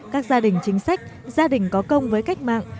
các gia đình chính sách gia đình có công với cách mạng